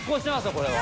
これは。